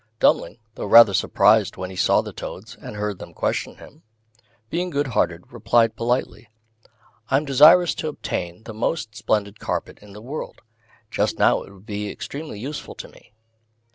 Dummling, though rather surprised when he saw the toads, and heard them question him, being good hearted replied politely "I am desirous to obtain the most splendid carpet in the world; just now it would be extremely useful to me."